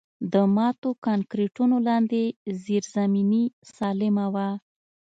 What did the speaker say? د ماتو کانکریټونو لاندې زیرزمیني سالمه وه